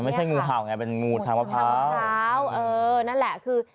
มันไม่ใช่งือห่าวไงเป็นงูทางเท้าเออนั่นแหละคือ